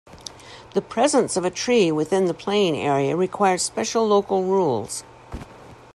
The presence of a tree within the playing area required special local rules.